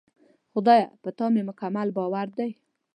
خدایه! په تا مې مکمل باور دی.